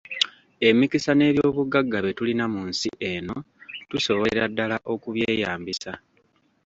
Emikisa n’ebyobugagga bye tulina mu nsi eno tusobolera ddala okubyeyambisa.